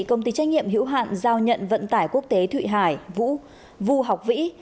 công ty trách nhiệm hữu hạn giao nhận vận tải quốc tế thụy hải vũ học vĩ